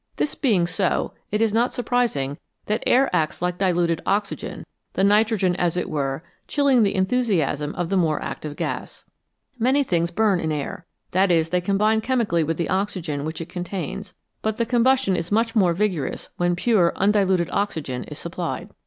This being so, it is not surprising that air acts like diluted oxygen, the nitrogen, as it were, chilling the enthusiasms of the more active gas. Many things burn in air that is, they combine chemically with the oxygen which it contains but the combustion is INVISIBLE SUBSTANCES much more vigorous when pure, undiluted oxygen is supplied.